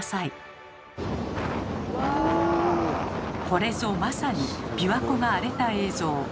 これぞまさに琵琶湖が荒れた映像。